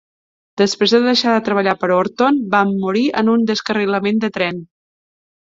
Després de deixar de treballar per Horton, van morir en un descarrilament de tren.